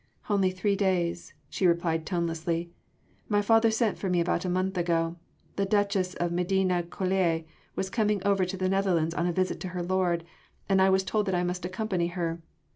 "Only three days," she replied tonelessly. "My father sent for me about a month ago. The Duchess of Medina Coeli was coming over to the Netherlands on a visit to her lord, and I was told that I must accompany her.